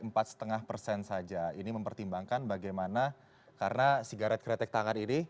empat lima persen saja ini mempertimbangkan bagaimana karena sigaret kretek tangan ini